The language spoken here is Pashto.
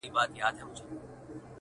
• و خوږ زړگي ته مي.